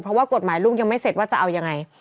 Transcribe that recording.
เพราะว่ากฎหมายลูกยังไม่เสร็จว่าจะเอายังไง